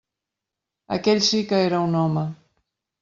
Aquell sí que era un home.